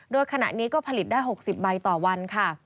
โดยขณะนี้ก็ผลิตได้๖๐ใบต่อวันค่ะ